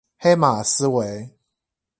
黑馬思維